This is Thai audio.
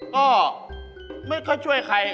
ก็ไม่ค่อยช่วยใคร